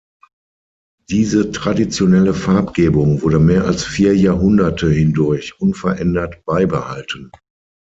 Diese traditionelle Farbgebung wurde mehr als vier Jahrhunderte hindurch unverändert beibehalten.